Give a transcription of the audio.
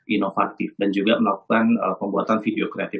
inovatif dan juga melakukan pembuatan video kreatif